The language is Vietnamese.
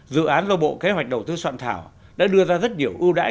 dự án do bộ kế hoạch đầu tư soạn thảo đã đưa ra rất nhiều ưu đãi